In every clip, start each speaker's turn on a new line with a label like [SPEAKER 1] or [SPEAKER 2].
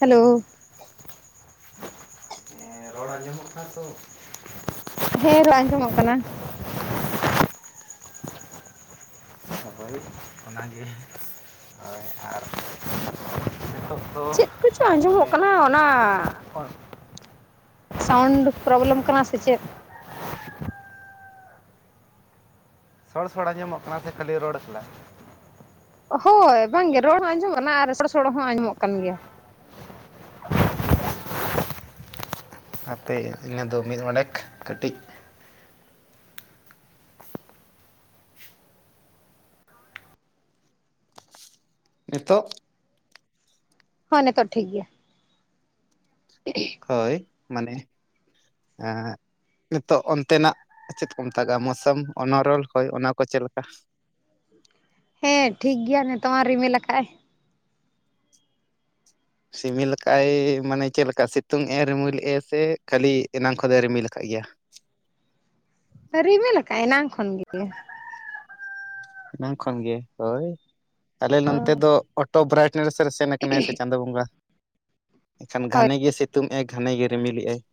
[SPEAKER 1] Hello.
[SPEAKER 2] ᱨᱚᱲ ᱟᱸᱡᱚᱢᱚᱜ ᱠᱟᱱᱟ ᱛᱚ ᱾
[SPEAKER 1] ᱦᱮᱸ, ᱨᱚᱲ ᱟᱸᱡᱚᱢᱚᱜ ᱠᱟᱱᱟ ᱾
[SPEAKER 2] ᱦᱳᱭ ᱚᱱᱟ ᱜᱮ ᱦᱳᱭ ᱟᱨ ᱱᱤᱛᱚᱜ ᱫᱚ
[SPEAKER 1] ᱪᱮᱫ ᱠᱚᱪᱚᱝ ᱟᱸᱡᱚᱢᱚᱜ
[SPEAKER 2] ᱢᱟᱱᱮ
[SPEAKER 1] ᱠᱟᱱᱟ ᱚᱱᱟ? ᱥᱟᱣᱩᱱᱰ ᱯᱨᱚᱵᱞᱮᱢ ᱠᱟᱱᱟ ᱥᱮ ᱪᱮᱫ?
[SPEAKER 2] ᱥᱚᱲ ᱥᱚᱲ ᱧᱟᱢᱚᱜ ᱠᱟᱱᱟ ᱥᱮ ᱠᱷᱟᱹᱞᱤ ᱨᱚᱲ ᱠᱟᱱᱟ ᱮᱠᱞᱟ?
[SPEAKER 1] ᱦᱳᱭ, ᱵᱟᱝ ᱜᱮ ᱨᱚᱲ ᱦᱚᱸ ᱟᱸᱡᱚᱢᱚᱜ ᱠᱟᱱᱟ ᱟᱨ ᱥᱚᱲ ᱥᱚᱲᱚ ᱦᱚᱸ ᱟᱸᱡᱚᱢᱚᱜ ᱠᱟᱱ ᱜᱮᱭᱟ ᱾
[SPEAKER 2] ᱟᱯᱮ ᱤᱱᱟᱹ ᱫᱚ ᱢᱤᱫ ᱚᱱᱮᱠ ᱠᱟᱹᱴᱤᱡ ᱱᱤᱛᱚᱜ?
[SPEAKER 1] ᱦᱚᱸ, ᱱᱤᱛᱚᱜ ᱛᱚ ᱴᱷᱤᱠ ᱜᱮᱭᱟ ᱾ ᱦᱩᱸ [inaudible]
[SPEAKER 2] ᱦᱳᱭ ᱢᱟᱱᱮ ᱟ ᱱᱤᱛᱚᱜ ᱚᱱᱛᱮ ᱱᱟᱜ ᱪᱮᱫ ᱠᱚ ᱢᱮᱛᱟᱜᱟᱜᱼᱟ ᱢᱳᱹᱥᱚᱢ ᱚᱱᱟ ᱨᱚᱲ ᱦᱳᱭ ᱚᱱᱟ ᱠᱚ ᱪᱮᱫ ᱞᱮᱠᱟ?
[SPEAKER 1] ᱴᱷ [inaudible] ᱦᱮᱸ, ᱴᱷᱤᱠ ᱜᱮᱭᱟ ᱱᱤᱛᱚᱝ ᱢᱟ ᱨᱤᱢᱮᱞ ᱟᱠᱟᱜᱼᱟᱭ ᱾
[SPEAKER 2] ᱥᱤᱢᱤᱞ ᱠᱟᱜᱼ ᱟᱭ ᱢᱟᱱᱮ ᱪᱮᱫ ᱞᱮᱠᱟ? ᱥᱤᱛᱩᱝ ᱮ ᱮᱨᱤᱢᱤᱞ ᱮᱜᱼᱟᱭ ᱥᱮ ᱠᱷᱟᱹᱞᱤ ᱮᱱᱟᱝ ᱠᱷᱚᱱ ᱫᱚᱭ ᱨᱤᱢᱤᱞ ᱟᱠᱟᱫ ᱜᱮᱭᱟ?
[SPEAKER 1] ᱨᱤᱢᱤᱞ ᱟᱠᱟᱜ ᱮᱱᱟᱝ ᱠᱷᱚᱱ ᱜᱮ ᱾
[SPEAKER 2] ᱮᱱᱟᱝ ᱠᱷᱚᱱ ᱜᱮ ᱦᱳᱭ ᱟᱞᱮ ᱱᱚᱱᱛᱮ ᱫᱚ ᱚᱴᱳ ᱵᱨᱟᱭᱤᱴ ᱥᱮᱱ ᱟᱠᱟᱱᱟᱭ ᱥᱮ ᱪᱟᱸᱫᱳ ᱵᱚᱸᱜᱟ ᱮᱱᱠᱷᱟᱱ
[SPEAKER 1] ᱦᱳᱭ
[SPEAKER 2] ᱜᱷᱟᱱᱮ ᱜᱮ ᱥᱤᱛᱩᱝ ᱮ ᱾ ᱜᱷᱟᱱᱮ ᱜᱮ ᱨᱤᱢᱤᱞᱮᱜᱼᱟᱭ ᱾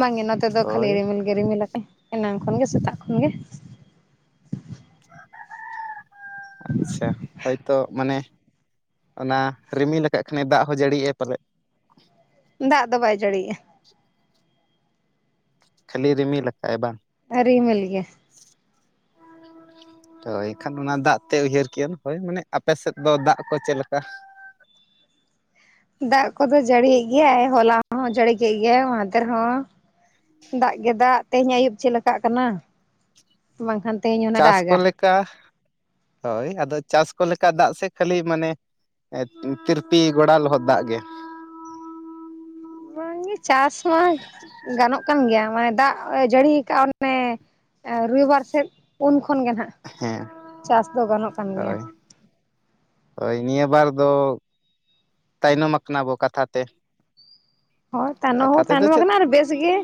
[SPEAKER 1] ᱵᱟᱝᱜᱮ ᱱᱚᱛᱮ ᱫᱚ ᱠᱷᱟᱹᱞᱤ ᱨᱤᱢᱤᱞ ᱜᱮ ᱨᱤᱢᱤᱞ ᱟᱠᱟᱜᱼᱟᱭ ᱮᱱᱟᱝ ᱠᱷᱚᱱ ᱜᱮ ᱥᱮᱛᱟᱜ ᱠᱷᱚᱱ ᱜᱮ ᱾
[SPEAKER 2] ᱟᱪᱪᱷᱟ ᱦᱚᱭᱛᱚ ᱢᱟᱱᱮ ᱚᱱᱟ ᱨᱤᱢᱤᱞ ᱟᱠᱟᱫ ᱠᱷᱟᱱᱮ ᱫᱟᱜ ᱦᱚᱸ ᱡᱟᱹᱲᱤᱭᱜᱼᱟᱭ ᱯᱟᱞᱮᱫ
[SPEAKER 1] ᱫᱟᱜ ᱫᱚ ᱵᱟᱭ ᱡᱟᱹᱲᱤᱭᱼᱟ
[SPEAKER 2] ᱠᱷᱟᱹᱞᱤ ᱨᱤᱢᱤᱞ ᱟᱠᱟᱫᱟᱭ ᱵᱟᱝ
[SPEAKER 1] ᱟᱹ ᱨᱢᱞ ᱜᱮ [inaudible]
[SPEAKER 2] ᱛᱳ ᱮᱱᱠᱷᱟᱱ ᱚᱱᱟ ᱫᱟᱜ ᱛᱮ ᱩᱭᱦᱟᱹᱨ ᱠᱮᱭᱟ ᱦᱳᱭ ᱢᱟᱱᱮ ᱟᱯᱮ ᱥᱮᱫ ᱫᱚ ᱫᱟᱜ ᱠᱚ ᱪᱮᱫ ᱞᱮᱠᱟ
[SPEAKER 1] ᱫᱟᱜ ᱠᱚᱫᱚ ᱡᱟᱹᱲᱤᱭᱮᱫ ᱜᱮᱭᱟᱭ ᱦᱚᱞᱟ ᱦᱚᱸ ᱡᱟᱹᱲᱤ ᱠᱮᱫ ᱜᱮᱭᱟᱭ ᱢᱟᱫᱷᱮᱨ ᱦᱚᱸ ᱫᱟᱜ ᱜᱮ ᱫᱟᱜ ᱛᱮᱦᱮᱧ ᱟᱹᱭᱩᱵ ᱪᱮᱫᱞᱮᱠᱟᱜ ᱠᱟᱱᱟ ᱵᱟᱝᱠᱷᱟᱱ ᱛᱮᱦᱮᱧ ᱚᱱᱟ ᱫᱟᱜᱟ
[SPEAKER 2] ᱚᱱᱠᱟ ᱦᱳᱭ ᱟᱫᱚ ᱪᱟᱥ ᱠᱚ ᱞᱮᱠᱟ ᱫᱟᱜ ᱥᱮ ᱠᱷᱟᱹᱞᱤ ᱢᱟᱱᱮ ᱛᱤᱨᱯᱤ ᱜᱚᱲᱟ ᱞᱚᱦᱚᱫ ᱫᱟᱜ ᱜᱮ
[SPEAKER 1] ᱵᱟᱝᱜᱮ ᱪᱟᱥ ᱢᱟ ᱜᱟᱱᱚᱜ ᱠᱟᱱ ᱜᱮᱭᱟ ᱢᱟᱱᱮ ᱫᱟᱜ ᱡᱟᱹᱲᱤ ᱠᱟᱜᱼᱟ ᱚᱱᱮ ᱨᱚᱵᱤᱵᱟᱨ ᱥᱮᱫ ᱯᱩᱱ ᱠᱷᱚᱱ ᱜᱮ ᱱᱟᱦᱟᱜ
[SPEAKER 2] ᱦᱮᱸ
[SPEAKER 1] ᱪᱟᱥ ᱫᱚ ᱜᱟᱱᱚᱜ ᱠᱟᱱ ᱜᱮᱭᱟ
[SPEAKER 2] ᱦᱳᱭ ᱦᱳᱭ ᱱᱤᱭᱟᱹ ᱵᱟᱨ ᱫᱚ ᱛᱟᱭᱱᱚᱢ ᱟᱠᱟᱱᱟ ᱵᱚ ᱠᱟᱛᱷᱟ ᱛᱮ
[SPEAKER 1] ᱦᱳᱭ ᱛᱟᱭᱱᱚᱢ
[SPEAKER 2] ᱠᱟᱛᱷᱟ
[SPEAKER 1] ᱦᱚᱸ
[SPEAKER 2] ᱛᱮᱫᱚ
[SPEAKER 1] ᱛᱟᱭᱱᱚᱢ
[SPEAKER 2] ᱪᱮᱫ
[SPEAKER 1] ᱟᱠᱟᱱᱟ ᱟᱨ ᱵᱮᱥ ᱜᱮ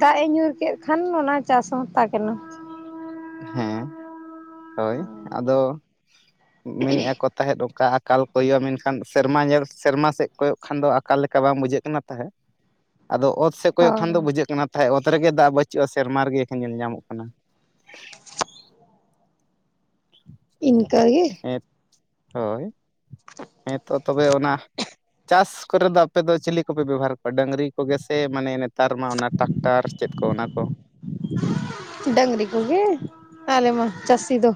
[SPEAKER 1] ᱫᱟᱜ ᱮ ᱧᱩᱨ ᱠᱮᱫ ᱠᱷᱟᱱ ᱚᱱᱟ ᱪᱟᱥ ᱦᱚᱸᱛᱟ ᱠᱟᱱᱟ
[SPEAKER 2] ᱦᱮᱸ ᱦᱳᱭ ᱟᱫᱚ ᱢᱮᱱᱮᱫᱼᱟ ᱛᱟᱦᱮᱸᱫ ᱚᱱᱠᱟ ᱟᱠᱟᱞ ᱠᱚᱭᱚᱜᱼᱟ ᱢᱮᱱᱠᱷᱟᱱ ᱥᱮᱨᱢᱟ ᱧᱮᱞ ᱥᱮᱨᱢᱟ ᱥᱮᱫ ᱠᱚᱭᱚᱜ ᱠᱷᱟᱱ ᱫᱚ ᱟᱠᱟᱞ ᱞᱮᱠᱟ ᱵᱟᱝ ᱵᱩᱡᱷᱟᱹᱜ ᱠᱟᱱᱟ ᱛᱟᱦᱮᱸᱫ ᱟᱫᱚ ᱚᱛ ᱥᱮᱮᱫ ᱠᱚᱭᱚᱜ
[SPEAKER 1] ᱦᱳᱭ
[SPEAKER 2] ᱠᱷᱟᱱ ᱫᱚ ᱵᱩᱡᱷᱟᱹᱜ ᱠᱟᱱᱟ ᱛᱟᱦᱮᱸ ᱚᱛ ᱨᱮᱜᱮ ᱫᱟᱜ ᱵᱟᱹᱪᱩᱜᱼᱟ ᱥᱮᱨᱢᱟ ᱨᱮᱜᱮ ᱧᱮᱞ ᱧᱟᱢᱚᱜ ᱠᱟᱱᱟ
[SPEAKER 1] ᱤᱱᱠᱟᱹ ᱜᱮ
[SPEAKER 2] ᱦᱮᱸ ᱦᱳᱭ ᱦᱮᱸᱛᱚ ᱛᱚᱵᱮ ᱚᱱᱟ ᱪᱟᱥ ᱠᱚᱨᱮ ᱫᱚ ᱟᱯᱮ ᱫᱚ ᱪᱤᱞᱤ ᱠᱚᱯᱮ ᱵᱮᱵᱚᱦᱟᱨ ᱠᱚᱣᱟ ᱰᱟᱹᱝᱨᱤ ᱠᱚᱜᱮ ᱥᱮ ᱢᱟᱱᱮ ᱱᱮᱛᱟᱨ ᱢᱟ ᱚᱱᱟ ᱴᱟᱠᱴᱟᱨ ᱪᱮᱫ ᱠᱚ ᱚᱱᱟᱠᱚ
[SPEAKER 1] ᱰᱟᱝᱨᱤ ᱠᱚᱜᱮ ᱟᱞᱮ ᱢᱟ ᱪᱟᱹᱥᱤ ᱫᱚ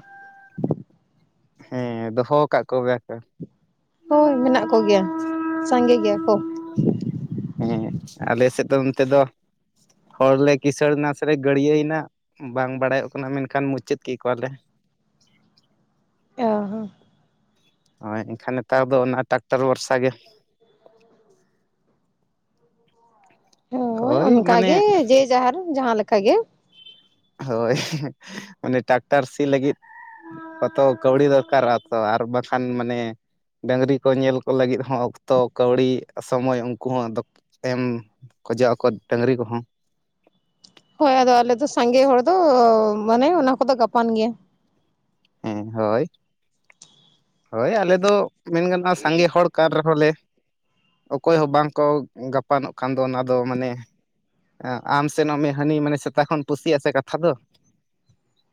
[SPEAKER 2] ᱦᱮᱸ ᱫᱚᱦᱚ ᱟᱠᱟᱫ ᱠᱚᱜᱮᱭᱟ ᱠᱚ
[SPEAKER 1] ᱦᱳᱭ ᱢᱮᱱᱟᱜ ᱠᱚᱜᱮᱭᱟ ᱥᱟᱸᱜᱮ ᱜᱮᱭᱟ ᱠᱚ
[SPEAKER 2] ᱦᱮᱸ ᱟᱞᱮ ᱥᱮᱫ ᱫᱚ ᱚᱱᱛᱮ ᱫᱚ ᱦᱚᱲᱞᱮ ᱠᱤᱥᱟᱹᱲ ᱮᱱᱟ ᱥᱮᱞᱮ ᱜᱟᱹᱲᱭᱟᱹᱭᱮᱱᱟ ᱵᱟᱝ ᱵᱟᱲᱟᱭᱚᱜ ᱠᱟᱱᱟ ᱢᱮᱱᱠᱷᱟᱱ ᱢᱩᱪᱟᱹᱫ ᱠᱮᱫ ᱠᱚᱣᱟᱞᱮ
[SPEAKER 1] ᱚ ᱦᱚᱸ
[SPEAKER 2] ᱦᱳᱭ ᱮᱱᱠᱷᱟᱱ ᱱᱮᱛᱟᱨ ᱫᱚ ᱚᱱᱟ ᱴᱟᱠᱴᱟᱨ ᱵᱷᱚᱨᱥᱟ ᱜᱮ
[SPEAKER 1] ᱦᱳᱭ ᱚᱱᱠᱟ ᱜᱮ ᱡᱮ ᱡᱟᱦᱟᱨ ᱡᱟᱦᱟᱸ ᱞᱮᱠᱟ ᱜᱮ
[SPEAKER 2] ᱦᱳᱭ ᱢᱟᱱᱮ ᱴᱨᱟᱠᱴᱟᱨ ᱥᱤ ᱞᱟᱹᱜᱤᱫ ᱛᱚ ᱠᱟᱹᱣᱲᱤ ᱫᱚᱨᱠᱟᱨᱚᱜᱼᱟ ᱛᱚ ᱟᱨ ᱵᱟᱠᱷᱟᱱ ᱢᱟᱱᱮ ᱰᱟᱹᱝᱨᱤ ᱠᱚ ᱧᱮᱞ ᱠᱚ ᱞᱟᱹᱜᱤᱫ ᱦᱚᱸ ᱚᱠᱛᱚ ᱠᱟᱹᱣᱰᱤ ᱥᱚᱢᱚᱭ ᱩᱱᱠᱩ ᱦᱚᱸ ᱮᱢ ᱠᱷᱚᱡᱚᱜ ᱟᱠᱚ ᱰᱟᱹᱝᱨᱤ ᱠᱚᱦᱚᱸ
[SPEAKER 1] ᱦᱳᱭ ᱟᱫᱚ ᱟᱞᱮ ᱫᱚ ᱥᱟᱸᱜᱮ ᱦᱚᱲ ᱫᱚ ᱢᱟᱱᱮ ᱚᱱᱟ ᱠᱚᱫᱚ ᱜᱟᱯᱟᱱ ᱜᱮᱭᱟ
[SPEAKER 2] ᱦᱳᱭ ᱦᱳᱭ ᱟᱞᱮ ᱫᱚ ᱢᱮᱱ ᱜᱟᱱᱚᱜᱼᱟ ᱥᱟᱸᱜᱮ ᱦᱚᱲ ᱠᱟᱱ ᱨᱮᱦᱚᱸ ᱞᱮ ᱚᱠᱚᱭ ᱦᱚᱸ ᱵᱟᱝᱠᱚ ᱜᱟᱯᱟᱱᱚᱜ ᱠᱟᱱ ᱫᱚ ᱚᱱᱟ ᱫᱚ ᱢᱟᱱᱮ ᱟᱢ ᱥᱮᱱᱚᱜ ᱢᱮ ᱦᱟᱹᱱᱤ ᱢᱟᱱᱮ ᱥᱮᱛᱟ ᱠᱷᱚᱱ ᱯᱩᱥᱤᱭᱟᱜ ᱥᱮ ᱠᱟᱛᱷᱟ ᱫᱚ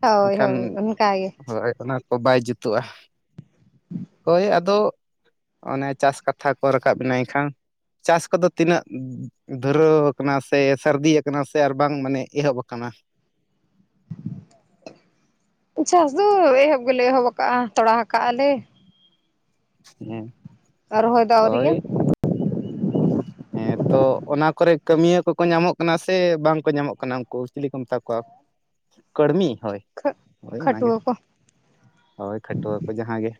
[SPEAKER 1] ᱦᱳᱭ
[SPEAKER 2] ᱮᱱᱠᱷᱟᱱ
[SPEAKER 1] ᱦᱳᱭ ᱚᱱᱠᱟ ᱜᱮ
[SPEAKER 2] ᱦᱳᱭ ᱚᱱᱟ ᱠᱚ ᱵᱟᱭ ᱡᱩᱛᱩᱜᱼᱟ ᱦᱳᱭ ᱟᱫᱚ ᱚᱱᱮ ᱪᱟᱥ ᱠᱟᱛᱷᱟ ᱠᱚ ᱨᱟᱠᱟᱵ ᱵᱮᱱᱟ ᱮᱱᱠᱷᱟᱱ ᱪᱟᱥ ᱠᱚᱫᱚ ᱛᱤᱱᱟᱹᱜ ᱫᱷᱩᱨᱟᱹᱣ ᱟᱠᱟᱱᱟ ᱥᱮ ᱥᱟᱹᱨᱫᱤᱭᱟ ᱟᱠᱟᱱᱟ ᱥᱮ ᱟᱨ ᱵᱟᱝ ᱢᱟᱱᱮ ᱮᱦᱚᱵ ᱟᱠᱟᱱᱟ
[SPEAKER 1] ᱪᱟᱥ ᱫᱚ ᱮᱦᱚᱵ ᱜᱮᱞᱮ ᱮᱦᱚᱵ ᱟᱠᱟᱟᱜᱼᱟ ᱛᱚᱲᱟ ᱠᱟᱜ ᱟᱞᱮ
[SPEAKER 2] ᱦᱮᱸ
[SPEAKER 1] ᱟᱨ ᱨᱚᱦᱚᱭ ᱫᱚ ᱟᱹᱣᱨᱤᱜᱼᱟ
[SPEAKER 2] ᱦᱳᱭ ᱦᱮᱸ ᱛᱚ ᱚᱱᱟ ᱠᱚᱨᱮ ᱠᱟᱹᱢᱤᱭᱟᱹ ᱠᱚᱠᱚ ᱧᱟᱢᱚᱜ ᱠᱟᱱᱟ ᱥᱮ ᱵᱟᱝ ᱠᱚ ᱧᱟᱢᱚᱜ ᱠᱟᱱᱟ ᱩᱱᱠᱩ ᱪᱤᱞᱤ ᱠᱚ ᱢᱮᱛᱟ ᱠᱚᱣᱟ ᱠᱟᱹᱲᱢᱤ ᱦᱳᱭ ᱦᱳᱭ ᱚᱱᱟᱜᱮ
[SPEAKER 1] ᱠᱷᱟᱹᱴᱩᱣᱟᱹ ᱠᱚ
[SPEAKER 2] ᱦᱳᱭ ᱠᱷᱟᱹᱴᱣᱟᱹ ᱠᱚ ᱡᱟᱦᱟᱸ ᱜᱮ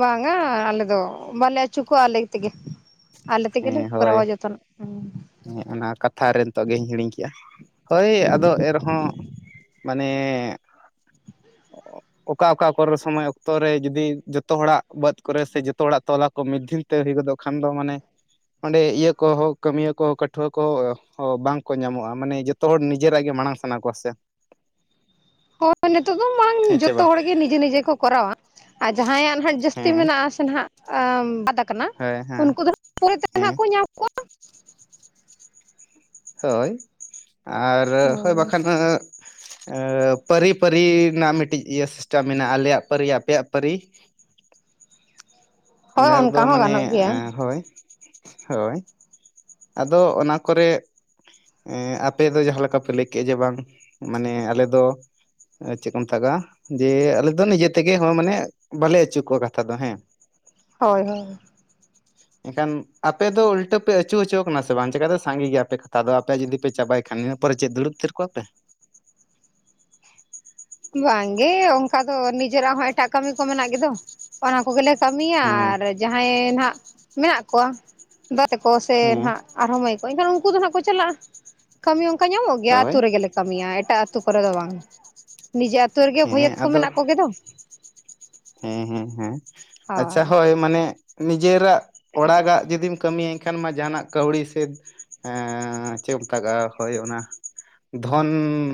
[SPEAKER 1] ᱵᱟᱝᱟ ᱟᱞᱮ ᱫᱚ ᱵᱟᱞᱮ ᱟᱹᱪᱩ ᱠᱚᱣᱟ ᱟᱞᱮ ᱛᱮᱜᱮ ᱟᱞᱮ ᱛᱮᱜᱮᱞᱮ
[SPEAKER 2] ᱦᱮᱸ
[SPEAKER 1] ᱠᱚᱨᱟᱣᱟ
[SPEAKER 2] ᱦᱳᱭ
[SPEAKER 1] ᱡᱚᱛᱚᱱ
[SPEAKER 2] ᱦᱮᱸ ᱚᱱᱟ ᱠᱟᱛᱷᱟ ᱨᱮ ᱱᱤᱛᱚᱜ ᱜᱤᱧ ᱦᱤᱲᱤᱧ ᱠᱮᱜᱼᱟ ᱦᱳᱭ ᱟᱫᱚ ᱮᱨᱦᱚᱸ ᱢᱟᱱᱮ [inaudible] ᱚᱠᱟ ᱚᱠᱟ ᱠᱚᱨᱮ ᱥᱚᱢᱚᱭ ᱚᱠᱛᱚ ᱨᱮ ᱡᱩᱫᱤ ᱡᱚᱛᱚ ᱦᱚᱲᱟᱜ ᱵᱟᱹᱫᱽ ᱠᱚᱨᱮ ᱥᱮ ᱡᱚᱛᱚ ᱦᱚᱲᱟᱜ ᱛᱚᱞᱟ ᱠᱚ ᱢᱤᱫᱫᱷᱤᱞ ᱛᱮ ᱦᱩᱭ ᱜᱚᱫᱚᱜ ᱠᱷᱟᱱ ᱫᱚ ᱢᱟᱱᱮ ᱚᱸᱰᱮ ᱤᱭᱟᱹ ᱠᱚ ᱦᱚ ᱠᱟᱹᱢᱭᱟᱹ ᱠᱚ ᱦᱚ ᱠᱟᱹᱴᱷᱩᱣᱟᱹ ᱠᱚ ᱦᱚ ᱵᱟᱝ ᱠᱚ ᱧᱟᱢᱚᱜᱼᱟ ᱢᱟᱱᱮ ᱡᱚᱛ ᱛᱚ ᱦᱚᱲ ᱱᱤᱡᱮᱨᱟᱜ ᱜᱮ ᱢᱟᱲᱟᱝ ᱥᱟᱱᱟ ᱠᱚᱣᱟ ᱥᱮ
[SPEAKER 1] ᱦᱳᱭ ᱱᱤᱛᱚᱜ ᱫᱚ ᱢᱟᱝ
[SPEAKER 2] ᱦᱮᱸ ᱪᱮ
[SPEAKER 1] ᱡᱚᱛᱚ
[SPEAKER 2] ᱵᱟᱝ
[SPEAKER 1] ᱦᱚᱲᱜᱮ ᱱᱤᱡᱮ ᱱᱤᱡᱮ ᱠᱚ ᱠᱚᱨᱟᱣᱟ ᱟᱨ ᱡᱟᱦᱟᱸᱭᱟᱜ ᱱᱟᱦᱟᱜ ᱡᱟᱹᱥᱛᱤ
[SPEAKER 2] ᱦᱮᱸ
[SPEAKER 1] ᱢᱮᱱᱟᱜ ᱥᱮᱱ ᱦᱟᱜ ᱵᱟᱫ ᱠᱟᱱᱟ
[SPEAKER 2] ᱦᱳᱭ ᱦᱮᱸ
[SPEAKER 1] ᱩᱱᱠᱩ ᱫᱚ ᱯᱚᱨᱮ ᱠᱚ
[SPEAKER 2] ᱦᱮᱸ
[SPEAKER 1] ᱦᱟᱜ ᱧᱟᱢ ᱠᱚᱣᱟ
[SPEAKER 2] ᱦᱳᱭ ᱟᱨ ᱦᱳᱭ ᱵᱟᱠᱷᱟᱱ [inaudible] ᱮᱸ ᱯᱟᱹᱨᱤ ᱯᱟᱹᱨᱤ ᱨᱮᱱᱟᱜ ᱢᱤᱫᱴᱤᱡ ᱤᱭᱟᱹ ᱥᱤᱥᱴᱮᱢ ᱢᱮᱱᱟᱜᱼᱟ ᱟᱞᱮᱭᱟᱜ ᱯᱟᱹᱨᱤ ᱟᱯᱮᱭᱟᱜ ᱯᱟᱹᱨᱤ
[SPEAKER 1] ᱦᱳᱭ
[SPEAKER 2] ᱤᱱᱟᱹ ᱨᱮᱫᱚ
[SPEAKER 1] ᱚᱱᱠᱟ ᱦᱚᱸ
[SPEAKER 2] ᱢᱟᱱᱮ
[SPEAKER 1] ᱜᱟᱱᱚᱜ ᱜᱮᱭᱟ
[SPEAKER 2] ᱦᱳᱭ ᱦᱳᱭ ᱟᱫᱚ ᱚᱱᱟ ᱠᱚᱨᱮ ᱮᱸ ᱟᱯᱮ ᱫᱚ ᱡᱟᱦᱟᱸ ᱞᱮᱠᱟ ᱯᱮ ᱞᱟᱹᱭ ᱠᱮᱫ ᱡᱮ ᱵᱟᱝ ᱢᱟᱱᱮ ᱟᱞᱮ ᱫᱚ ᱪᱮᱫ ᱠᱚ ᱢᱮᱛᱟᱜᱟᱜ ᱡᱮ ᱟᱞᱮ ᱫᱚ ᱱᱤᱡᱮ ᱛᱮᱜᱮ ᱦᱚᱸ ᱢᱟᱱᱮ ᱵᱟᱞᱮ ᱟᱹᱪᱩ ᱠᱚ ᱠᱟᱛᱷᱟ ᱫᱚ ᱦᱮᱸ
[SPEAKER 1] ᱦᱳᱭ ᱦᱳᱭ
[SPEAKER 2] ᱮᱱᱠᱷᱟᱱ ᱟᱯᱮ ᱫᱚ ᱩᱞᱴᱟᱹ ᱯᱮ ᱟᱹᱪᱩ ᱦᱚᱪᱚ ᱠᱟᱱᱟ ᱥᱮ ᱵᱟᱝ ᱪᱮᱠᱟᱛᱮ ᱥᱟᱸᱜᱮ ᱜᱮᱭᱟᱯᱮ ᱠᱟᱛᱷᱟ ᱫᱚ ᱟᱯᱮ ᱡᱩᱫᱤ ᱯᱮ ᱪᱟᱵᱟᱭ ᱤᱱᱟᱹ ᱯᱚᱨᱮ ᱪᱮᱫ ᱫᱩᱲᱩᱵ ᱛᱷᱤᱨ ᱠᱚᱜᱼᱟ ᱯᱮ
[SPEAKER 1] ᱵᱟᱝ ᱜᱮ ᱚᱱᱠᱟ ᱫᱚ ᱱᱤᱡᱮᱨᱟᱜ ᱦᱚᱸ ᱮᱴᱟᱜ ᱠᱟᱹᱢᱤ ᱠᱚ ᱢᱮᱱᱟᱜ ᱜᱮᱫᱚ ᱚᱱᱟ ᱠᱚᱜᱮᱞᱮ ᱠᱟᱹᱢᱤᱭᱟ
[SPEAKER 2] ᱦᱮᱸ
[SPEAKER 1] ᱟᱨ ᱡᱟᱦᱟᱸᱭ ᱱᱟᱜ ᱢᱮᱱᱟᱜ ᱠᱚᱣᱟ ᱫᱟ ᱛᱟᱠᱚ
[SPEAKER 2] ᱦᱮᱸ
[SPEAKER 1] ᱥᱮᱱᱦᱟᱜ ᱟᱨᱦᱚᱸ ᱢᱟᱹᱭ ᱠᱚ ᱩᱱᱠᱩ ᱫᱚ ᱦᱟᱸᱜ ᱠᱚ ᱪᱟᱞᱟᱜᱼᱟ ᱠᱟᱹᱢᱤ ᱚᱝᱠᱟ ᱧᱟᱢᱚᱜ ᱜᱮᱭᱟ
[SPEAKER 2] ᱦᱳᱭ
[SPEAKER 1] ᱟᱹᱛᱩ ᱨᱮᱜᱮ ᱞᱮ ᱠᱟᱹᱢᱤᱭᱟ ᱮᱴᱟᱜ ᱟᱹᱛᱩ ᱠᱚᱨᱮ ᱫᱚ ᱵᱟᱝ ᱱᱤᱡᱮ ᱟᱹᱛᱳ ᱨᱮᱜᱮ ᱵᱷᱟᱹᱭᱟᱹᱛ
[SPEAKER 2] ᱦᱮᱸ
[SPEAKER 1] ᱠᱚ
[SPEAKER 2] ᱟᱫᱚ
[SPEAKER 1] ᱢᱮᱱᱟᱜ ᱠᱚᱜᱮ ᱫᱚ
[SPEAKER 2] ᱦᱮᱸ ᱦᱮᱸ ᱦᱮᱸ ᱟᱪᱪᱷᱟ ᱦᱳᱭ ᱢᱟᱱᱮ ᱱᱤᱡᱮᱨᱟᱜ ᱚᱲᱟᱜᱟᱜ ᱡᱩᱫᱤᱢ ᱠᱟᱹᱢᱤᱭ ᱮᱠᱷᱟᱱ ᱢᱟ ᱡᱟᱦᱟᱱᱟᱜ ᱠᱟᱹᱣᱲᱤ ᱥᱮ ᱮᱸ ᱪᱮᱫ [inaudible] ᱢᱮᱛᱟᱜᱟᱜᱼᱟ ᱦᱳᱭ ᱚᱱᱟ ᱫᱷᱚᱱ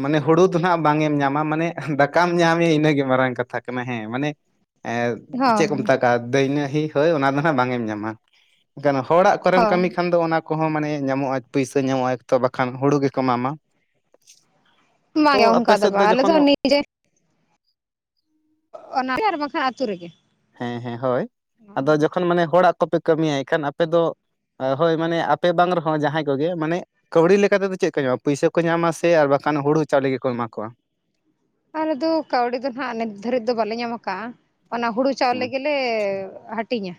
[SPEAKER 2] ᱢᱟᱱᱮ ᱦᱩᱲᱩ ᱫᱚ ᱱᱟᱜ ᱵᱟᱝ ᱮᱢ ᱧᱟᱢᱟ ᱢᱟᱱᱮ ᱫᱟᱠᱟᱢ ᱧᱟᱢᱮ ᱤᱱᱟᱹᱜᱮ ᱢᱟᱨᱟᱝ ᱠᱟᱛᱷᱟ ᱠᱟᱱᱟ ᱦᱮᱸ ᱢᱟᱱᱮ ᱮ ᱪᱮᱫ ᱠᱚ
[SPEAKER 1] ᱦᱳᱭ
[SPEAKER 2] ᱢᱮᱛ ᱫᱟᱹᱭᱱᱟᱹᱦᱤ ᱦᱳᱭ ᱚᱱᱟ ᱫᱚ ᱱᱟᱜ ᱵᱟᱝ ᱮᱢ ᱧᱟᱢᱟ ᱮᱠᱷᱟᱱ ᱦᱚᱲᱟᱜ ᱠᱚᱨᱮᱢ
[SPEAKER 1] ᱦᱳᱭ
[SPEAKER 2] ᱠᱟᱹᱢᱤ ᱠᱷᱟᱱ ᱫᱚ ᱚᱱᱟ ᱠᱚᱦᱚᱸ ᱢᱟᱱᱮ ᱧᱟᱢᱚᱜᱼᱟ ᱯᱩᱭᱥᱟᱹ ᱧᱟᱢᱚᱜᱼᱟ ᱮᱠ ᱛᱚ ᱵᱟᱠᱷᱟᱱ ᱦᱩᱲᱩ ᱜᱮᱠᱚ ᱮᱢᱟᱢᱟ ᱛᱚ
[SPEAKER 1] ᱵᱟᱝᱮ ᱚᱱᱠᱟ
[SPEAKER 2] ᱟᱯᱮ
[SPEAKER 1] ᱫᱚ
[SPEAKER 2] ᱥᱮᱫ
[SPEAKER 1] ᱵᱟ ᱟᱞᱮ ᱫᱚ
[SPEAKER 2] ᱡᱚᱠᱷᱚᱱ
[SPEAKER 1] ᱱᱤᱡᱮ ᱚᱱᱟ ᱛᱮ ᱟᱨ ᱵᱟᱠᱷᱟ ᱟᱹᱛᱩ ᱨᱮᱜᱮ
[SPEAKER 2] ᱦᱮᱸ ᱦᱮᱸ ᱦᱳᱭ ᱟᱫᱚ ᱡᱚᱠᱷᱚᱱ ᱢᱟᱱᱮ ᱦᱚᱲᱟᱜ ᱠᱚᱯᱮ ᱠᱟᱹᱢᱤᱭᱟ ᱤᱠᱷᱟᱹᱱ ᱟᱯᱮ ᱫᱚ ᱦᱳᱭ ᱢᱟᱱᱮ ᱟᱯᱮ ᱵᱟᱝ ᱨᱮᱦᱚᱸ ᱡᱟᱦᱟᱸᱭ ᱠᱚᱜᱮ ᱢᱟᱱᱮ ᱠᱟᱹᱣᱲᱤ ᱞᱮᱠᱟ ᱛᱮᱫᱚ ᱪᱮᱜ ᱠᱚ ᱧᱟᱢᱟ ᱯᱩᱭᱥᱟᱹ ᱠᱚ ᱧᱟᱢᱟ ᱥᱮ ᱟᱨ ᱵᱟᱠᱷᱟᱱ ᱦᱩᱲᱩ ᱪᱟᱣᱞᱮ ᱜᱮ ᱠᱚ ᱮᱢᱟ ᱠᱚᱣᱟ
[SPEAKER 1] ᱟᱞᱮ ᱫᱚ ᱠᱟᱹᱣᱰᱤ ᱫᱚ ᱱᱟᱦᱟᱜ ᱱᱤᱛ ᱫᱷᱟᱹᱨᱤᱡ ᱫᱚ ᱵᱟᱞᱮ ᱧᱟᱢ ᱠᱟᱜᱼᱟ ᱚᱱᱟ ᱦᱩᱲᱩ ᱪᱟᱣᱞᱮ
[SPEAKER 2] ᱦᱮᱸ
[SPEAKER 1] ᱜᱮᱞᱮ ᱞᱮ ᱦᱟᱹᱴᱤᱧᱟ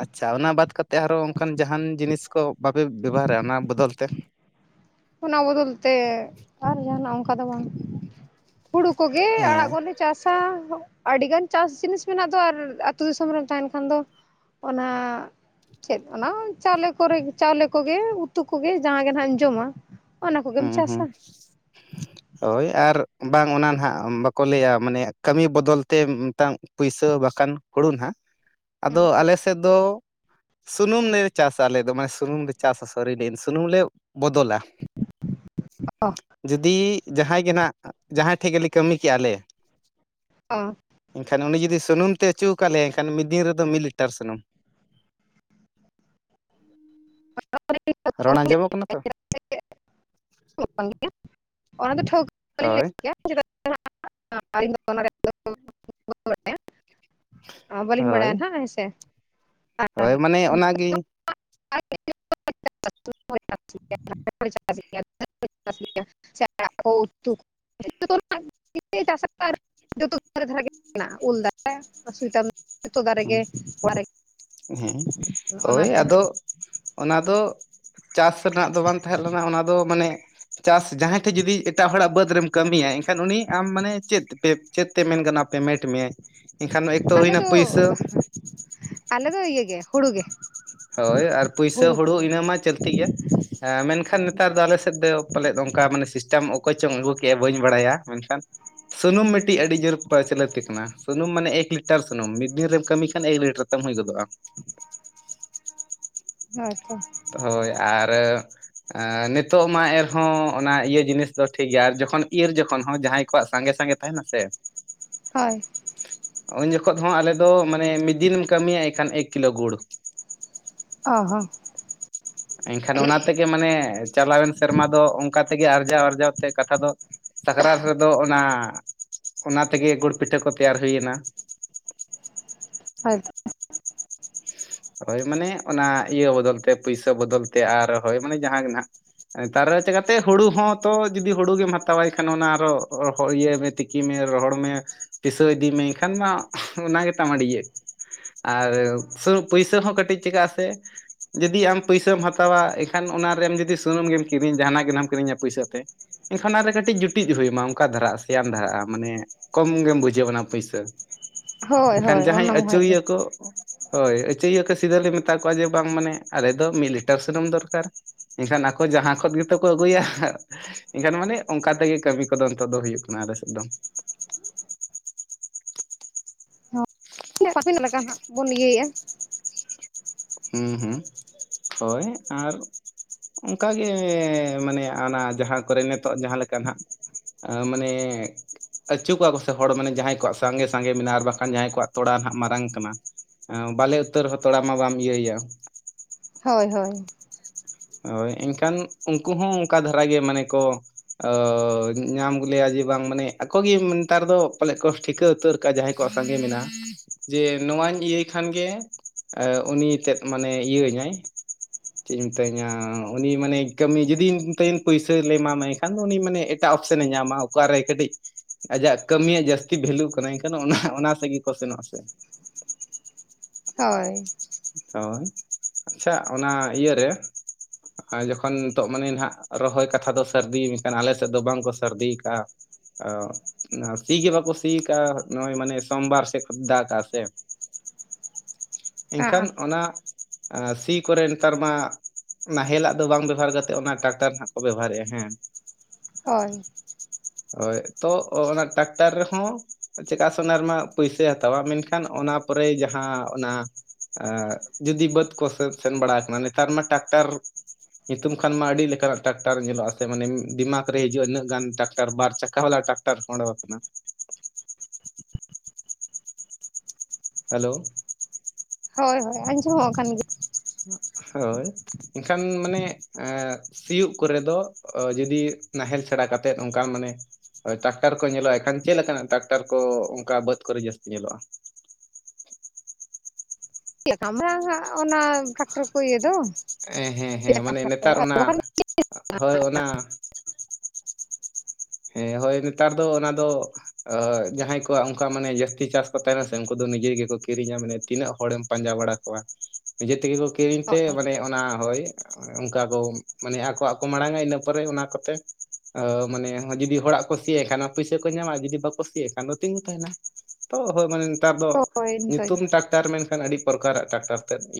[SPEAKER 2] ᱟᱪᱪᱷᱟ ᱚᱱᱟ ᱵᱟᱫ ᱠᱟᱛᱮ ᱟᱨᱚ ᱚᱱᱠᱟᱱ ᱡᱟᱦᱟᱱ ᱡᱤᱱᱤᱥ ᱠᱚ ᱵᱟᱯᱮ ᱵᱮᱵᱦᱟᱨᱟ ᱚᱱᱟ ᱵᱚᱫᱚᱞ ᱛᱮ
[SPEAKER 1] ᱚᱱᱟ ᱵᱚᱫᱚᱞ ᱛᱮ ᱟᱨ ᱡᱟᱦᱟᱱᱟᱜ ᱚᱝᱠᱟ ᱫᱚ ᱵᱟᱝ ᱦᱩᱲᱩ ᱠᱚᱜᱮ ᱟᱲᱟᱜ
[SPEAKER 2] ᱦᱮᱸ
[SPEAKER 1] ᱠᱚᱞᱮ ᱪᱟᱥᱟ ᱟᱹᱰᱤᱜᱟᱱ ᱪᱟᱥ ᱡᱤᱱᱤᱥ ᱢᱮᱱᱟᱜ ᱫᱚ ᱟᱨ ᱟᱹᱛᱩ ᱫᱤᱥᱚᱢ ᱨᱮᱢ ᱛᱟᱦᱮᱱ ᱠᱷᱟᱱ ᱫᱚ ᱚᱱᱟ ᱪᱮᱫ ᱚᱱᱟ ᱪᱟᱣᱞᱮ ᱠᱚᱨᱮ ᱪᱟᱣᱞᱮ ᱠᱚᱜᱮ ᱩᱛᱩ ᱠᱚᱜᱮ ᱡᱟᱦᱟᱸ ᱜᱮ ᱱᱟᱦᱟᱜ ᱮᱢ ᱡᱚᱢᱟ ᱚᱱᱟ ᱠᱚᱜᱮᱢ
[SPEAKER 2] ᱦᱩᱸ ᱦᱩᱸ
[SPEAKER 1] ᱪᱟᱥᱟ
[SPEAKER 2] [inaudible] ᱦᱳᱭ ᱟᱨ ᱵᱟᱝ ᱚᱱᱟ ᱱᱟᱦᱟᱜ ᱵᱟᱠᱚ ᱞᱟᱹᱭᱼᱟ ᱢᱟᱱᱮ ᱠᱟᱹᱢᱤ ᱵᱚᱫᱚᱞ ᱛᱮ ᱢᱤᱛᱟᱝ ᱯᱩᱭᱥᱟᱹ ᱵᱟᱠᱷᱟᱱ ᱦᱩᱲᱩ ᱱᱟᱜ ᱟᱫᱚ ᱟᱞᱮ ᱥᱮᱫ ᱫᱚ ᱥᱩᱱᱩᱢ ᱞᱮ ᱪᱟᱥᱟ ᱟᱞᱮ ᱫᱚ ᱢᱟᱱᱮ ᱥᱩᱱᱩᱢ ᱞᱮ ᱪᱟᱥᱟ ᱥᱚᱨᱤ [inaudible] ᱥᱩᱱᱩᱢ ᱞᱮ ᱵᱚᱫᱚᱞᱟ
[SPEAKER 1] [inaudible]
[SPEAKER 2] ᱡᱩᱫᱤ ᱡᱟᱦᱟᱸᱭ ᱜᱮ ᱱᱟᱜ ᱡᱟᱦᱟᱸᱭ ᱴᱷᱮᱡ ᱜᱮᱞᱮ ᱠᱟᱹᱢᱤ ᱠᱮᱜᱼᱟ ᱞᱮ
[SPEAKER 1] ᱚ
[SPEAKER 2] ᱮᱱᱠᱷᱟᱱ ᱩᱱᱤ ᱡᱩᱫᱤ ᱥᱩᱱᱩᱢ ᱛᱮ ᱟᱪᱩ ᱠᱟᱫ ᱞᱮᱭᱟ ᱮᱱᱠᱷᱟᱱ ᱢᱤᱫ ᱫᱤᱱ ᱨᱮᱫᱚ ᱢᱤᱫ ᱞᱤᱴᱟᱨ ᱥᱩᱱᱩᱢ᱾
[SPEAKER 1] [unintelligible]
[SPEAKER 2] ᱨᱚᱲ ᱟᱧᱡᱚᱢᱚᱜ ᱠᱟᱱᱟ ᱛᱚ?
[SPEAKER 1] [inaudible] ᱚᱱᱟ ᱫᱚ ᱴᱷᱟᱹᱣᱠᱟᱹ [unintelligible] ᱞᱟᱹᱭ
[SPEAKER 2] ᱦᱳᱭ
[SPEAKER 1] ᱠᱮᱭᱟ᱾ [unintelligible] [inaudible] ᱵᱟᱹᱞᱤᱧ
[SPEAKER 2] ᱦᱳᱭ
[SPEAKER 1] ᱵᱟᱲᱟᱭᱟ ᱱᱟᱜ ᱦᱮᱸᱥᱮ᱾
[SPEAKER 2] ᱦᱳᱭ ᱢᱟᱱᱮ ᱚᱱᱟᱜᱤᱧᱼᱼ
[SPEAKER 1] [unintelligible] [unintelligible] ᱩᱛᱩᱼᱼ [unintelligible] ᱫᱷᱟᱨᱮ ᱫᱷᱟᱨᱮ ᱜᱮ ᱢᱮᱱᱟᱜᱼᱟ ᱩᱞ ᱫᱟᱨᱮ [unintelligible] ᱫᱟᱨᱮ
[SPEAKER 2] ᱦᱩᱸ
[SPEAKER 1] ᱜᱮ ᱚᱲᱟᱜ
[SPEAKER 2] ᱦᱮᱸ
[SPEAKER 1] ᱨᱮᱜᱮ
[SPEAKER 2] ᱦᱳᱭ
[SPEAKER 1] ᱚᱱᱟᱛᱮ ᱱᱟᱦᱟᱜ
[SPEAKER 2] ᱟᱫᱚ ᱚᱱᱟ ᱫᱚᱼᱼ ᱪᱟᱥ ᱨᱮᱱᱟᱜ ᱫᱚ ᱵᱟᱝ ᱛᱟᱦᱮᱸᱫ ᱞᱮᱱᱟ ᱚᱱᱟ ᱫᱚ ᱢᱟᱱᱮᱼᱼ ᱪᱟᱥ ᱡᱟᱦᱟᱸᱭ ᱴᱷᱮᱡ ᱡᱩᱫᱤ ᱮᱴᱟᱜ ᱦᱚᱲᱟᱜ ᱵᱟᱹᱫᱽ ᱨᱮᱢ ᱠᱟᱹᱢᱤᱭᱟ ᱮᱱᱠᱷᱟᱱ ᱩᱱᱤ ᱟᱢ ᱢᱟᱱᱮ ᱪᱮᱫᱼᱼ ᱪᱮᱫ ᱛᱮ ᱢᱮᱱ ᱜᱟᱱᱚᱜ ᱟ ᱯᱮᱢᱮᱱᱴ ᱢᱮᱭᱟ ᱮᱱᱠᱷᱟᱱᱼᱼ
[SPEAKER 1] ᱟᱞᱮ ᱫᱚ, ᱟᱞᱮ ᱫᱚ ᱤᱭᱟᱹ ᱜᱮ ᱦᱳᱲᱳ ᱜᱮ᱾
[SPEAKER 2] ᱦᱳᱭ ᱟᱨ ᱯᱩᱭᱥᱟᱹ
[SPEAKER 1] ᱦᱩᱲᱩ
[SPEAKER 2] ᱦᱳᱲᱳ
[SPEAKER 1] ᱜᱮ
[SPEAKER 2] ᱤᱱᱟᱹ ᱢᱟ ᱪᱟᱹᱞᱛᱤ ᱜᱮᱭᱟ ᱮᱸ ᱢᱮᱱᱠᱷᱟᱱ ᱱᱮᱛᱟᱨ ᱫᱚ ᱟᱞᱮ ᱥᱮᱫ ᱫᱚ ᱯᱟᱞᱮᱫ ᱚᱱᱠᱟ ᱢᱟᱱᱮ ᱥᱤᱥᱴᱮᱢ ᱚᱠᱚᱭ ᱪᱚᱝ ᱟᱹᱜᱩ ᱠᱮᱜ ᱵᱟᱹᱧ ᱵᱟᱲᱟᱭᱟ, ᱢᱮᱱᱠᱷᱟᱱᱼᱼ ᱥᱩᱱᱩᱢ ᱢᱤᱫᱴᱤᱡ ᱟᱹᱰᱤ ᱡᱳᱨ ᱯᱨᱪᱚᱞᱤᱛ ᱠᱟᱱᱟ᱾ ᱥᱩᱱᱩᱢ ᱢᱟᱱᱮ ᱮᱠ ᱞᱤᱴᱟᱨ ᱥᱩᱱᱩᱢ᱾ ᱢᱤᱫ ᱫᱤᱱ ᱨᱮᱢ ᱠᱟᱹᱢᱤ ᱠᱷᱟᱱ ᱮᱠ ᱞᱤᱴᱟᱨ ᱠᱟ. ᱢᱟ. ᱭ ᱜᱚᱫᱚᱜᱼᱟ᱾
[SPEAKER 1] ᱟᱪᱪᱷᱟ
[SPEAKER 2] ᱦᱳᱭ ᱟᱨᱼᱼ ᱮ ᱱᱤᱛᱚᱜ ᱢᱟ ᱮᱨᱦᱚᱸ ᱚᱱᱟ ᱤᱭᱟᱹ ᱡᱤᱱᱤᱥ ᱫᱚ ᱴᱷᱤᱠ ᱜᱮᱭᱟ ᱟᱨ ᱡᱚᱠᱷᱚᱱ ᱤᱨ ᱡᱚᱠᱷᱚᱱ ᱦᱚᱸ ᱡᱟᱦᱟᱸᱭ ᱠᱚᱣᱟᱜ ᱥᱟᱸᱜᱮ ᱥᱟᱸᱜᱮ ᱛᱟᱦᱮᱱᱟᱥᱮ
[SPEAKER 1] ᱦᱳᱭ
[SPEAKER 2] ᱩᱱ ᱡᱚᱠᱷᱚᱜ ᱦᱚᱸ ᱟᱞᱮ ᱫᱚ ᱢᱟᱱᱮ ᱢᱤᱫ ᱫᱤᱱᱮᱢ ᱠᱟᱹᱢᱤᱭᱟ ᱮᱱᱠᱷᱟᱱ ᱮᱠ ᱠᱤᱞᱳ ᱜᱩᱲ᱾
[SPEAKER 1] ᱦᱚ ᱦᱚᱸ
[SPEAKER 2] ᱮᱱᱠᱷᱟᱱ ᱚᱱᱟ ᱛᱮᱜᱮ ᱢᱟᱱᱮ ᱪᱟᱞᱟᱣᱮᱱ ᱥᱮᱨᱢᱟ ᱫᱚ ᱚᱱᱠᱟ ᱛᱮᱜᱮ ᱟᱨᱡᱟᱣ ᱟᱨᱡᱟᱣ ᱛᱮ ᱠᱟᱛᱷᱟ ᱫᱚᱼᱼ ᱥᱟᱠᱨᱟᱛ ᱨᱮᱫᱚ ᱚᱱᱟ, ᱚᱱᱟ ᱛᱮᱜᱮ ᱜᱩᱲ ᱯᱤᱴᱷᱟᱹ ᱠᱚ ᱛᱮᱭᱟᱨ ᱦᱩᱭᱱᱟ᱾
[SPEAKER 1] ᱦᱳᱭ ᱛᱚ
[SPEAKER 2] ᱦᱳᱭ ᱢᱟᱱᱮ ᱚᱱᱟ ᱤᱭᱟᱹ ᱵᱚᱫᱚᱞᱛᱮ, ᱯᱩᱭᱥᱟᱹ ᱵᱚᱫᱚᱞᱛᱮ ᱟᱨ ᱦᱳᱭ ᱢᱟᱱᱮ ᱡᱟᱦᱟᱸ ᱜᱮ ᱱᱟᱸᱜ᱾ ᱱᱮᱛᱟᱨ ᱪᱤᱠᱟᱛᱮ ᱦᱩᱲᱩ ᱦᱚᱸᱛᱚ, ᱡᱩᱫᱤ ᱦᱩᱲᱩ ᱜᱮᱢ ᱦᱟᱛᱟᱣᱟᱭ ᱠᱷᱟᱱ ᱚᱱᱟ ᱟᱨᱚ ᱤᱭᱟᱹᱭ ᱢᱮ ᱛᱤᱠᱼᱼ ᱛᱤᱠᱤ ᱢᱮ ᱨᱚᱦᱚᱲ ᱢᱮ ᱯᱤᱥᱟᱹ ᱤᱫᱤ ᱢᱮ ᱮᱱᱠᱷᱟᱱ ᱢᱟᱼᱼ ᱚᱱᱟ ᱜᱮ ᱛᱟ [unintelligible] ᱟᱨ [unintelligible] ᱯᱩᱭᱥᱟᱹ ᱦᱚᱸ ᱠᱟᱹᱴᱤᱡ ᱪᱤᱠᱟᱹᱜ ᱟ ᱥᱮ᱾ ᱡᱩᱫᱤ ᱟᱢ ᱯᱩᱭᱥᱟᱹᱢ ᱦᱟᱛᱟᱣᱟ ᱮᱱᱠᱷᱟᱱ ᱚᱱᱟᱨᱮᱢ ᱡᱩᱫᱤ ᱥᱩᱱᱩᱢ ᱜᱮᱢ ᱠᱤᱨᱤᱧᱟ ᱡᱟᱦᱟᱱᱟᱜ ᱜᱮ ᱱᱷᱟᱜ ᱮᱢ ᱠᱤᱨᱤᱧ ᱯᱩᱭᱥᱟᱹ ᱛᱮ᱾ ᱮᱱᱠᱷᱟᱱ ᱚᱱᱟᱨᱮ ᱠᱟᱹᱴᱤᱡ ᱡᱩᱴᱤᱡ ᱦᱩᱭ ᱟᱢᱟ ᱚᱱᱠᱟ ᱫᱷᱟᱨᱟᱜᱼᱟ ᱥᱮᱭᱢ ᱫᱷᱟᱨᱟᱜᱼᱟ ᱢᱟᱱᱮᱼᱼ ᱠᱚᱢ ᱜᱮᱢ ᱵᱩᱡᱷᱟᱹᱣᱟ ᱚᱱᱟ ᱯᱩᱭᱥᱟᱹ,
[SPEAKER 1] ᱦᱳᱭ
[SPEAKER 2] ᱮᱱᱠᱷᱟᱱ
[SPEAKER 1] ᱦᱳᱭ
[SPEAKER 2] ᱡᱟᱦᱟᱸᱭ
[SPEAKER 1] ᱚᱱᱟ ᱢᱟ
[SPEAKER 2] ᱟᱹᱪᱩ
[SPEAKER 1] ᱦᱳᱭ ᱜᱮ
[SPEAKER 2] ᱮᱭᱟ ᱠᱚᱼᱼ ᱦᱳᱭ ᱟᱹᱪᱤᱭᱟᱹ ᱠᱚ ᱥᱤᱫᱟᱹ ᱞᱮ ᱢᱮᱛᱟ ᱠᱚᱣᱟ ᱡᱮ ᱵᱟᱝ ᱢᱟᱱᱮ ᱟᱞᱮ ᱫᱚ ᱢᱤᱫ ᱞᱤᱴᱟᱨ ᱥᱩᱱᱩᱢ ᱫᱚᱨᱠᱟᱨ᱾ ᱮᱱᱠᱷᱟᱱ ᱟᱠᱚ ᱡᱟᱦᱟᱸ ᱠᱷᱚᱱ ᱜᱮᱛᱚ ᱠᱚ ᱟᱹᱜᱩᱭᱟ᱾ ᱮᱱᱠᱷᱟᱱ ᱢᱟᱱᱮ ᱚᱱᱠᱟ ᱛᱮᱜᱮ ᱠᱟᱹᱢᱤ ᱠᱚᱫᱚ ᱱᱤᱛᱚᱜ ᱫᱚ ᱦᱩᱭᱩᱜ ᱠᱟᱱᱟ ᱟᱞᱮ ᱥᱮᱫ
[SPEAKER 1] ᱵᱟᱠᱚ ᱧᱮᱞ ᱟᱠᱟᱱᱟ ᱟᱧᱡᱚᱢ [unintelligible] ᱯᱤ ᱱᱟᱦᱟᱜ ᱡᱤᱢ ᱞᱳᱳᱯ ᱛ
[SPEAKER 2] ᱦᱩᱸ ᱦᱩᱸ ᱦᱳᱭ ᱟᱨ ᱚᱝᱠᱟᱜᱮ ᱢᱟᱱᱮ ᱟᱱᱟ ᱡᱟᱦᱟᱸ ᱠᱚᱨᱮ ᱱᱤᱛᱚᱜ ᱡᱟᱦᱟᱸ ᱞᱮᱠᱟ ᱱᱷᱟᱸᱜ ᱟ ᱢᱟᱱᱮ ᱟᱹᱪᱩ ᱠᱚᱣᱟ ᱠᱚ ᱥᱮ ᱦᱚᱲ ᱢᱟᱱᱮ ᱡᱟᱦᱟᱸᱭ ᱠᱚᱣᱟᱜ ᱥᱟᱸᱜᱮ ᱥᱟᱸᱜᱮ ᱢᱮᱱᱟᱜᱼᱟ ᱵᱟᱠᱷᱟᱱ ᱡᱟᱦᱟᱸᱭ ᱠᱚᱣᱟᱜ ᱛᱳᱲᱟ ᱱᱷᱟᱸᱜ ᱢᱟᱨᱟᱝ ᱠᱟᱱᱟ ᱾ ᱮᱸ ᱵᱟᱞᱮ ᱩᱛᱟᱹᱨ ᱦᱚᱸ ᱛᱷᱚᱲᱟ ᱢᱟ ᱵᱟᱢ ᱤᱭᱟᱹᱭᱟ
[SPEAKER 1] ᱦᱚᱭ ᱦᱚᱭ᱾
[SPEAKER 2] ᱱᱚᱜᱼᱚᱭ ᱮᱝᱠᱷᱟᱱ ᱩᱱᱠᱩ ᱦᱚᱸ ᱚᱱᱠᱟ ᱫᱷᱟᱨᱟ ᱜᱮ ᱢᱟᱱᱮ ᱠᱚ ᱚᱻ ᱧᱟᱢ ᱜᱚᱞᱮᱭᱟ ᱡᱮ ᱵᱟᱝ ᱢᱟᱱᱮ ᱟᱠᱚ ᱜᱮ ᱱᱮᱛᱟᱨ ᱫᱚ ᱯᱟᱞᱮᱫ ᱠᱚ ᱴᱷᱤᱠᱟᱹ ᱩᱛᱟᱹᱨ ᱠᱟ ᱡᱟᱦᱟᱸᱭ ᱠᱚᱣᱟᱜ ᱥᱟᱸᱜᱮ ᱢᱮᱱᱟᱜ-ᱟ ᱡᱮ ᱱᱚᱣᱟᱧ ᱤᱭᱟᱹᱭ ᱠᱷᱟᱱ ᱜᱮ ᱮ ᱩᱱᱤ ᱛᱮᱫᱽ ᱢᱟᱱᱮ ᱤᱭᱟᱹᱧᱟᱹᱭ ᱛᱮᱦᱮᱧᱟ ᱩᱱᱤ ᱢᱟᱱᱮ ᱠᱟᱹᱢᱤ ᱡᱩᱫᱤᱱ ᱯᱩᱭᱥᱟᱹᱞᱮ ᱮᱢᱟᱢᱟᱭ ᱮᱱᱠᱷᱟᱱ ᱫᱚ ᱩᱱᱤ ᱢᱟᱱᱮ ᱮᱴᱟᱜ ᱚᱯᱥᱮᱱᱮ ᱧᱟᱢᱟ ᱾ ᱚᱠᱟᱨᱮ ᱠᱟᱹᱴᱤᱡ ᱟᱡᱟᱜ ᱠᱟᱹᱢᱤᱭᱟᱜ ᱡᱟᱹᱥᱛᱤ ᱵᱷᱮᱞᱩ ᱠᱟᱱᱟ ᱮᱱᱠᱷᱟᱱ ᱚᱱᱟ ᱚᱱᱟ ᱥᱮᱫ ᱜᱮᱠᱚ ᱥᱮᱱᱚᱜᱼᱟ ᱥᱮ ᱾
[SPEAKER 1] ᱦᱳᱹᱭ ᱾
[SPEAKER 2] ᱦᱳᱹᱭ ᱟᱪᱷᱟ ᱚᱱᱟ ᱤᱭᱟᱹᱨᱮ ᱾ ᱟᱨ ᱡᱚᱠᱷᱚᱱ ᱱᱤᱛᱚᱜ ᱢᱟᱱᱮ ᱱᱟᱦᱟᱜ ᱨᱚᱦᱚᱭ ᱠᱟᱛᱷᱟ ᱫᱚ ᱥᱟᱹᱨᱫᱤ ᱟᱞᱮ ᱥᱮᱫ ᱫᱚ ᱵᱟᱝᱠᱚ ᱥᱟᱹᱨᱫᱤ ᱠᱟᱜᱼᱟ ᱾ ᱚ ᱥᱤ ᱜᱮ ᱵᱟᱠᱚ ᱥᱤᱠᱟ ᱱᱚ ᱢᱟᱱᱮ ᱥᱳᱢᱵᱟᱨ ᱥᱮ ᱫᱟᱜᱟ ᱥᱮ ᱾ ᱮᱱ ᱠᱷᱟᱱ
[SPEAKER 1] ᱦᱟᱸᱜ
[SPEAKER 2] ᱚᱱᱟ ᱥᱤ ᱠᱚᱨᱮ ᱱᱮᱛᱟᱨ ᱢᱟ ᱾ ᱱᱟᱦᱮᱞᱟᱜ ᱫᱚ ᱵᱟᱝ ᱵᱮᱵᱚᱦᱟᱨ ᱠᱟᱛᱮᱫ ᱚᱱᱟ ᱴᱨᱟᱠᱴᱟᱨ ᱱᱟᱜ ᱠᱚ ᱵᱮᱵᱚᱦᱟᱨᱮᱜᱼᱟ ᱦᱮᱸ ᱾
[SPEAKER 1] ᱦᱳᱹᱭ ᱾
[SPEAKER 2] ᱦᱳᱹᱭ ᱛᱚ ᱚᱱᱟ ᱴᱨᱟᱠᱴᱟᱨ ᱨᱮᱦᱚᱸ ᱾ ᱪᱮᱠᱟ ᱥᱮ ᱚᱱᱟ ᱨᱮ ᱢᱟ ᱯᱩᱭᱥᱟᱭ ᱦᱟᱛᱟᱣᱟ ᱢᱮᱱᱠᱷᱟᱱ ᱚᱱᱟ ᱯᱚᱨᱮ ᱡᱟᱦᱟᱸ ᱚᱱᱟ ᱾ ᱡᱩᱫᱤ ᱵᱟᱹᱫᱽ ᱠᱚᱥ ᱥᱮᱱ ᱵᱟᱲᱟᱣ ᱟᱠᱟᱱᱟ ᱱᱮᱛᱟᱨ ᱢᱟ ᱴᱨᱟᱠᱴᱟᱨ ᱾ ᱧᱩᱛᱩᱢ ᱠᱷᱟᱱ ᱢᱟ ᱟᱹᱰᱤ ᱞᱮᱠᱟᱱᱟᱜ ᱴᱨᱟᱠᱴᱟᱨ ᱧᱮᱞᱚᱜ ᱟ ᱥᱮ ᱢᱟᱱᱮ ᱰᱤᱢᱟᱜᱽ ᱨᱮ ᱦᱤᱡᱩᱜ ᱩᱱᱟᱹᱜ ᱜᱟᱱ ᱴᱨᱟᱠᱟᱨ ᱾ ᱴᱟᱨ ᱵᱟᱨ ᱪᱟᱠᱟᱣᱞᱟ ᱴᱨᱟᱠᱴᱟᱨ ᱾ ᱦᱮᱞᱳ ᱾
[SPEAKER 1] ᱦᱳᱹᱭ ᱦᱳᱹᱭ ᱟᱸᱡᱚᱢᱚᱜ ᱠᱟᱱ ᱜᱮᱭᱟ ᱾
[SPEAKER 2] ᱦᱳᱹᱭ ᱮᱱ ᱠᱷᱟᱱ ᱢᱟᱱᱮ ᱾ ᱮ ᱥᱤᱭᱳᱜ ᱠᱚᱨᱮ ᱫᱚ ᱡᱩᱫᱤ ᱱᱟᱦᱮᱞ ᱪᱷᱟᱲᱟ ᱠᱟᱛᱮᱫ ᱚᱱᱠᱟ ᱢᱟᱱᱮ ᱾ ᱦᱳᱹᱭ ᱴᱨᱟᱠᱴᱟᱨ ᱠᱚ ᱧᱮᱞᱚᱜᱼᱟ ᱮᱱ ᱠᱷᱟᱱ ᱪᱮᱫ ᱞᱮᱠᱟᱱᱟᱜ ᱴᱨᱟᱠᱴᱟᱨ ᱠᱚ ᱚᱱᱠᱟ ᱵᱟᱹᱫᱽ ᱠᱚᱨᱮ ᱡᱟᱹᱥᱛᱤ ᱧᱮᱞᱚᱜᱼᱟ ᱾
[SPEAKER 1] ᱪᱮᱫ ᱞᱮᱠᱟᱝᱜ ᱚᱱᱟ ᱴᱮᱠᱴᱚᱨ ᱠᱚ ᱤᱭᱟᱹ ᱫᱚ ᱾
[SPEAKER 2] ᱸ ᱦᱮᱸ ᱦᱮᱸ ᱢᱟᱱᱮ ᱱᱮᱛᱟᱨ ᱚᱱᱟ ᱦᱳᱹᱭ ᱚᱱᱟ ᱾ ᱦᱮᱸ ᱦᱳᱹᱭ ᱱᱮᱛᱟᱨ ᱫᱚ ᱚᱱᱟ ᱫᱚ ᱡᱟᱦᱟᱸᱭ ᱠᱚᱣᱟᱜ ᱚᱱᱠᱟ ᱢᱟᱱᱮ ᱡᱟᱹᱥᱛᱤ ᱪᱟᱥ ᱾ ᱛᱟᱦᱮᱱᱟ ᱥᱮ ᱩᱱᱠᱩ ᱫᱚ ᱱᱤᱡᱮ ᱜᱮ ᱠᱚ ᱠᱤᱨᱤᱧᱟ ᱢᱟᱱᱮ ᱛᱤᱱᱟᱹᱜ ᱦᱚᱲᱮᱢ ᱯᱟᱸᱡᱟ ᱵᱟᱲᱟ ᱾ ᱱᱤᱡᱮ ᱛᱮ ᱜᱮ ᱠᱚ ᱠᱤᱨᱤᱧ ᱛᱮ ᱢᱟᱱᱮ ᱚᱱᱟ ᱦᱳᱹᱭ ᱚᱱᱠᱟ ᱠᱚ ᱢᱟᱱᱮ ᱟᱠᱚᱣᱟᱜ ᱠᱚ ᱢᱟᱲᱟᱝᱟ ᱤᱱᱟᱹ ᱯᱚᱨᱮ ᱚᱱᱟ ᱠᱚᱛᱮ ᱢᱟᱱᱮ ᱾ ᱡᱩᱫᱤ ᱦᱚᱲᱟᱜ ᱠᱚ ᱥᱤᱭᱮᱫ ᱠᱷᱟᱱ ᱯᱩᱭᱥᱟᱹ ᱠᱚ ᱧᱟᱢᱟ ᱡᱩᱫᱤ ᱵᱟᱠᱚ ᱥᱤᱭᱮᱫ ᱠᱷᱟᱱ ᱫᱚ ᱛᱤᱸᱜᱩ ᱛᱟᱸᱦᱮᱱᱟ ᱾ ᱛᱚ ᱦᱳᱹᱭ ᱢᱟᱱᱮ ᱱᱮᱛᱟᱨ ᱫᱚ
[SPEAKER 1] ᱦᱳᱭ ᱤᱱᱠᱟᱹ ᱜᱮ
[SPEAKER 2] ᱧᱩᱛᱩᱢ ᱴᱨᱟᱠᱴᱟᱨ ᱢᱮᱱᱠᱷᱟᱱ ᱟᱹᱰᱤ ᱯᱨᱚᱠᱟᱨᱟᱜ ᱴᱨᱟᱠᱴᱟᱨ ᱛᱮᱫ ᱾